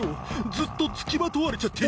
ずっとつきまとわれちゃって。